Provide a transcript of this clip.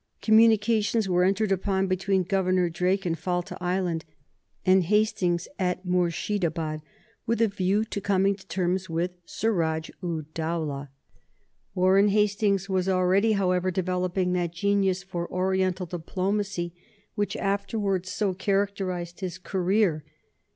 Communications were entered upon between Governor Drake in Falta Island and Hastings at Murshidabad with a view to coming to terms with Suraj ud Dowlah. Warren Hastings was already, however, developing that genius for Oriental diplomacy which afterwards so characterized his career.